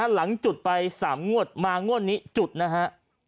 หลังจุดไป๓งวดมางวดนี้จุดนะฮะ